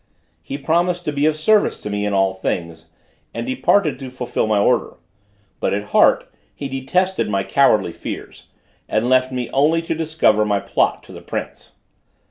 He promised to be of service to me in all things, and departed to fulfil my order: but at heart, he detested my cowardly fears, and left me only to discover my plot to the prince.